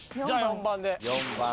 じゃあ４番で。